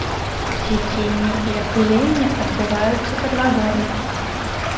Цвіценне і апыленне адбываюцца пад вадой.